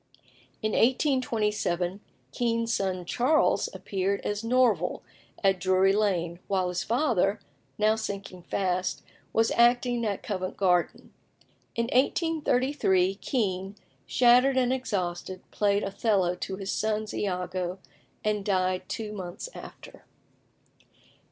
In 1827, Kean's son Charles appeared as Norval at Drury Lane, while his father, now sinking fast, was acting at Covent Garden. In 1833 Kean, shattered and exhausted, played Othello to his son's Iago, and died two months after.